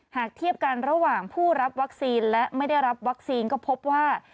หากเทียบกันระหว่างผู้รับวัคซีนและไม่ได้รับวัคซีนก็พบว่า